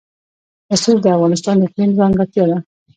رسوب د افغانستان د اقلیم ځانګړتیا ده.